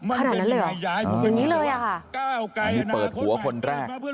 อันนี้เปิดหัวคนแรก